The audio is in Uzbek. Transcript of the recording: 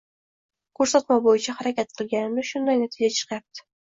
Ko’rsatma bo’yicha harakat qilganimda shunday natija chiqayapti